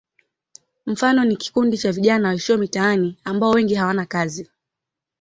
Mfano ni kikundi cha vijana waishio mitaani ambao wengi hawana kazi.